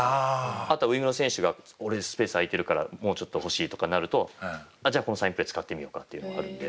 あとはウイングの選手が俺スペース空いてるからもうちょっと欲しいとかなるとじゃあこのサインプレー使ってみようかっていうのがあるので。